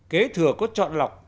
kế thừa có chọn lọc